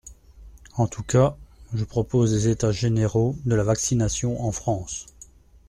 En tout cas, je propose des états généraux de la vaccination en France.